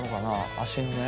足のね。